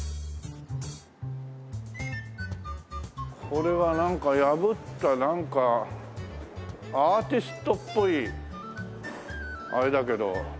これはなんか破ったなんかアーティストっぽいあれだけど。